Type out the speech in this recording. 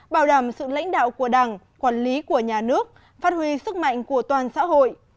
bảo đảm sự lãnh đạo của đảng quản lý của nhà nước phát huy sức mạnh của toàn xã hội